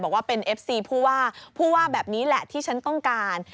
บอกว่าเป็นเอฟซีผู้ว่าผู้ว่าแบบนี้แหละที่ฉันต้องการ